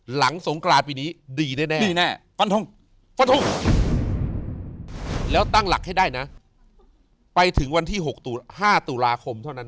หลังศงคลาดปีนี้ดีได้แหน่ง